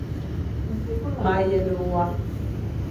Ma yane wa.